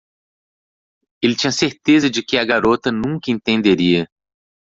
Ele tinha certeza de que a garota nunca entenderia.